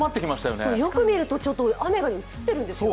よく見ると雨が映っているんですよね。